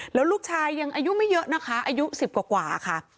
แล้วลูกชายยังอายุไม่เยอะนะคะอายุ๑๐กว่าค่ะ